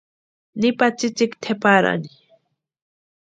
Nipa tsïtsïki tʼeparaani.